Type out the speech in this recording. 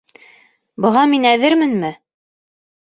Быға мин әҙерменме?